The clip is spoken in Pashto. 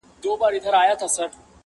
نه یې څه پیوند دی له بورا سره؛